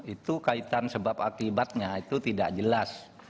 itu kaitan sebab akibatnya itu tidak jelas